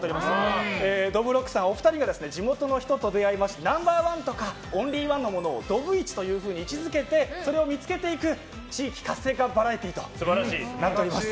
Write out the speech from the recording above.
お二人が地元の人と出会いましてナンバー１とかオンリーワンのものをどぶイチと位置付けてそれを見つけていく地域活性化バラエティー番組となっています。